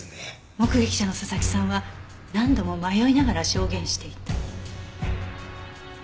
目撃者の佐々木さんは何度も迷いながら証言していた。